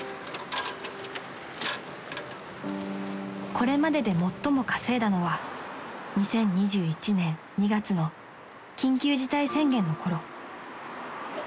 ［これまでで最も稼いだのは２０２１年２月の緊急事態宣言のころ］